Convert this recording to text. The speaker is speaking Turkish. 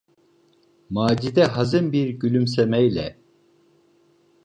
Macide hazin bir gülümsemeyle: